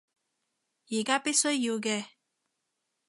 而家必須要嘅